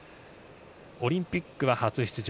オリンピックは初出場。